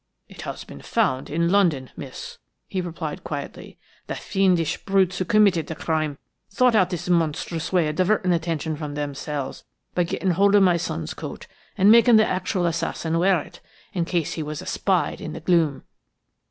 "It has been found in London, miss," he replied quietly. "The fiendish brutes who committed the crime thought out this monstrous way of diverting attention from themselves by getting hold of my son's coat and making the actual assassin wear it, in case he was espied in the gloom."